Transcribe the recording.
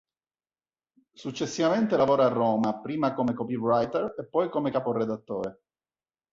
Successivamente lavora a Roma prima come copywriter e poi come caporedattore.